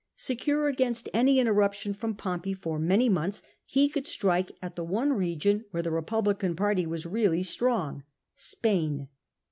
Secure against any interruption from Pompey for many months, he could strike at the one region where the Republican party was really strong — Spain.